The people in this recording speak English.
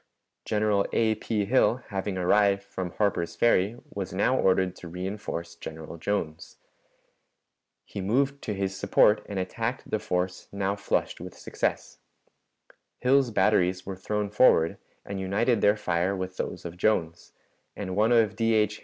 General A. P. Hill, having arrived from Harper's Ferry, was now ordered to reënforce General Jones. He moved to his support and attacked the force now flushed with success. Hill's batteries were thrown forward and united their fire with those of Jones, and one of D. H.